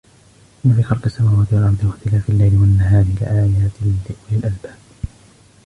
إن في خلق السماوات والأرض واختلاف الليل والنهار لآيات لأولي الألباب